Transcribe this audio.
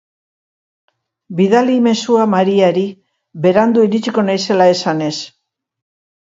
Bidali mezua Mariari, berandu iritsiko naizela esanez